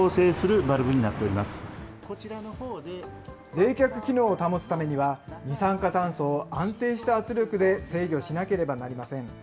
冷却機能を保つためには、二酸化炭素を安定した圧力で制御しなければなりません。